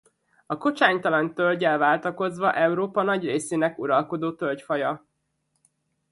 A kocsánytalan tölggyel váltakozva Európa nagy részének uralkodó tölgyfaja.